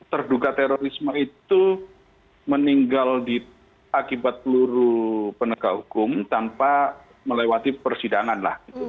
terduga terorisme itu meninggal akibat peluru penegak hukum tanpa melewati persidangan lah